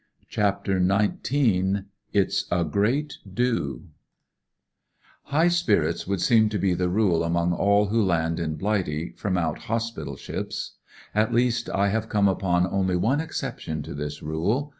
CHAPTER XIX t( IT*S A GREAT DO " High spirits would seem to be the rule among all who land in Blighty from out hospital ships. At least, I have come upon only one exception to this rule.